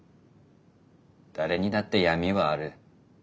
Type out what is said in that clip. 誰にだって闇はある。